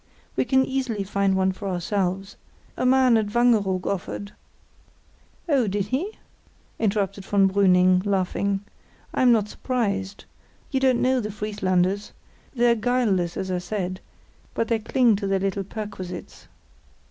"We can easily find one for ourselves. A man at Wangeroog offered——" "Oh, did he?" interrupted von Brüning, laughing. "I'm not surprised. You don't know the Frieslanders. They're guileless, as I said, but they cling to their little perquisites."